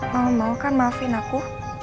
mau mau kan maafin aku